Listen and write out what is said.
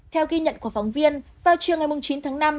theo ghi nhận của phóng viên vào chiều ngày chín tháng năm